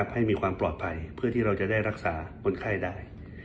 ให้มีความปลอดภัยเพื่อที่เราจะได้รักษาคนไข้ได้